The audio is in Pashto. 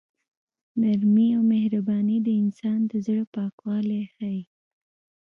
نرمي او مهرباني د انسان د زړه پاکوالی ښيي.